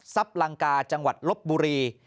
ลังกาจังหวัดลบบุรี